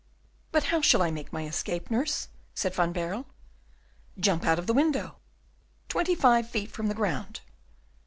"But how shall I make my escape, nurse?" said Van Baerle. "Jump out of the window." "Twenty five feet from the ground!"